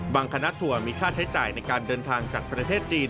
คณะทัวร์มีค่าใช้จ่ายในการเดินทางจากประเทศจีน